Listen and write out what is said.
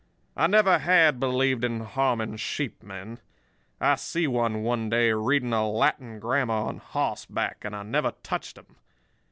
"I never had believed in harming sheep men. I see one, one day, reading a Latin grammar on hossback, and I never touched him!